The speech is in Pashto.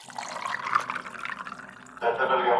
ډېره ډوډۍ ماڼۍ ته نه ده وړل سوې.